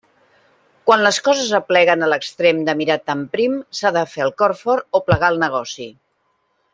Quan les coses apleguen a l'extrem de mirar tan prim, s'ha de fer el cor fort o plegar el negoci.